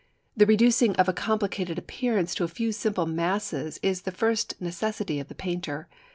The reducing of a complicated appearance to a few simple masses is the first necessity of the painter.